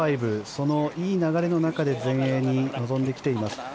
そのいい流れの中で全英に臨んできています。